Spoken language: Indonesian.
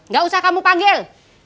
gak usah kamu panggil